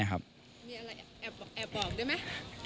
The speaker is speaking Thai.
มีอะไรแอบบอกด้วยไหม